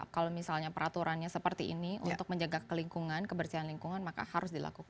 kalau misalnya peraturannya seperti ini untuk menjaga kelingkungan kebersihan lingkungan maka harus dilakukan